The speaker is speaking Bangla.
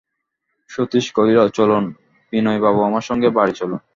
সতীশ কহিল, চলুন, বিনয়বাবু, আমার সঙ্গে বাড়ি চলুন।